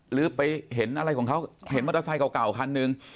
หรือไปเห็นอะไรของเขาเห็นมอเตอร์ไซค์เก่าคันหนึ่ง